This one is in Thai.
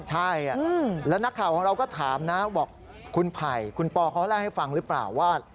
ใช่แล้วนักข่าวของเราก็ถามนะบอกคุณไผ่คุณปอเขาเล่าให้ฟังหรือเปล่าว่า